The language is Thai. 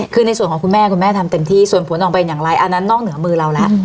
คือในส่วนของคุณแม่คุณแม่ทำเต็มที่ส่วนผลออกเป็นอย่างไรอันนั้นนอกเหนือมือเราแล้ว